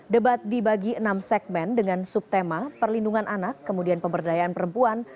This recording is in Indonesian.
debat dibagi enam segmen dengan subtema perlindungan anak kemudian pemberdayaan perempuan